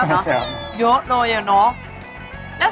เยอะเลยอะเนาะ